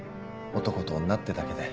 男と女ってだけで。